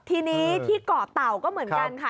ทีนี้ที่เกาะเต่าก็เหมือนกันค่ะ